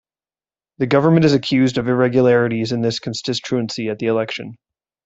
The government is accused of irregularities in this constituency at the election.